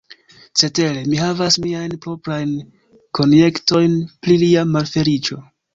Cetere, mi havas miajn proprajn konjektojn pri lia malfeliĉo.